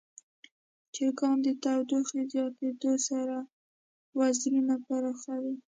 چرګان د تودوخې زیاتیدو سره وزرونه پراخوي.